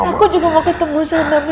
aku juga mau ketemu sama mama